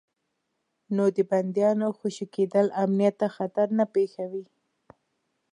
نو د بندیانو خوشي کېدل امنیت ته خطر نه پېښوي.